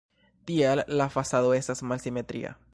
Tial la fasado estas malsimetria.